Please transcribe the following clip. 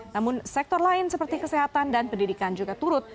namun sektor lain seperti kesehatan dan pendidikan juga turut